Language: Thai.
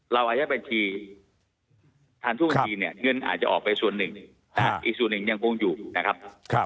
อายัดบัญชีทานทุกบัญชีเนี่ยเงินอาจจะออกไปส่วนหนึ่งอีกส่วนหนึ่งยังคงอยู่นะครับ